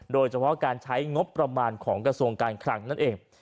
โดยเฉพาะการใช้งบประมาณของกระทรวงการคลังนั่นเอง